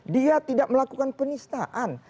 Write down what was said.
dia tidak melakukan penistaan